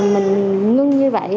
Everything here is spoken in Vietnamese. mình ngưng như vậy